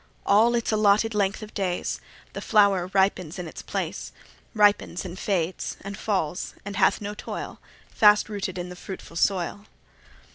All its allotted length of days, The flower ripens in its place, Ripens and fades, and falls, and hath no toil, Fast rooted in the fruitful soil.